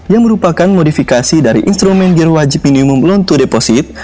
yang merupakan modifikasi dari instrumen gear wajib minimum loan to deposit